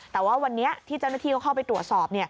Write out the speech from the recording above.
แต่ว่าวันนี้ที่เจ้าหน้าที่เขาเข้าไปตรวจสอบ